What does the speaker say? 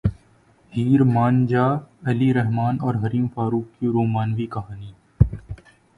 ہیر مان جا علی رحمن اور حریم فاروق کی رومانوی کہانی